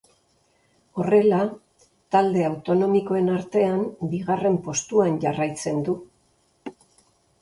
Horrela, talde autonomikoen artean bigarren postuan jarraitzen du.